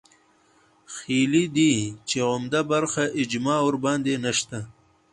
ښييلي دي چې عمده برخه اجماع ورباندې نشته